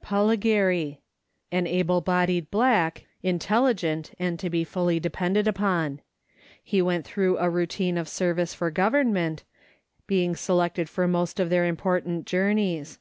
Polligary (Polligerry). An able bodied black, intelligent, and to be fully depended upon. He went through a routine of service for Government, being selected for most of their important journeys.